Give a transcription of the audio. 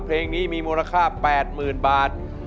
เพลงนี้มีมูลค่า๘๐๐๐บาท